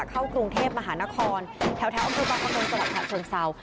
เข้ากรุงเทพมหานครแถวอบริการกระทงสวัสดิ์ค่ะชนเซา